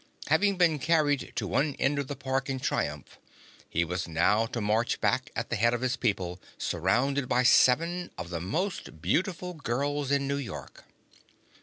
Having been carried to one end of the park in triumph, he was now to march back at the head of his people, surrounded by seven of the most beautiful girls in New York.